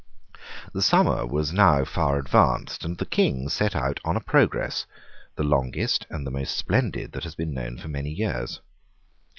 The summer was now far advanced; and the King set out on a progress, the longest and the most splendid that had been known for many years.